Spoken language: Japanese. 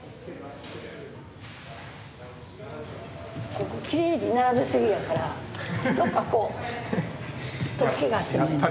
ここきれいに並べすぎやからどっかこう突起があってもええな。